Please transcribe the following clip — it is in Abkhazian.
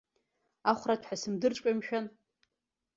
Ахәраҭәҳәа сымдырҵәҟьои, мшәан.